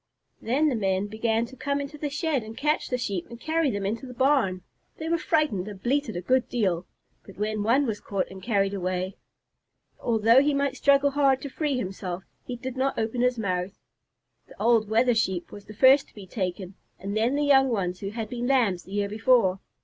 Then the men began to come into the shed and catch the Sheep and carry them into the barn. They were frightened and bleated a good deal, but when one was caught and carried away, although he might struggle hard to free himself, he did not open his mouth. The old Wether Sheep was the first to be taken, and then the young ones who had been Lambs the year before.